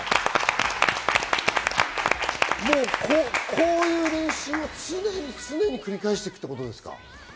こういう練習を常に繰り返していくということですか？